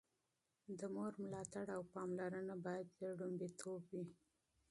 د مور ملاتړ او پاملرنه باید لومړیتوب وي.